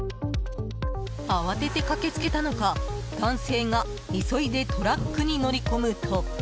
慌てて駆けつけたのか、男性が急いでトラックに乗り込むと。